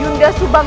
hukuman itu sekarang